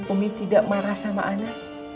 umi tidak marah sama anak